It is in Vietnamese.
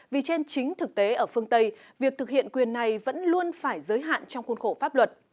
vì trên chính thực tế ở phương tây việc thực hiện quyền này vẫn luôn phải giới hạn trong khuôn khổ pháp luật